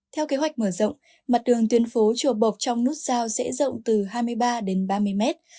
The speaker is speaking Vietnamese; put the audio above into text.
theo kế hoạch mở rộng mặt đường tuyến phố chùa bộc trong nút giao sẽ rộng từ hai mươi ba đến ba mươi mét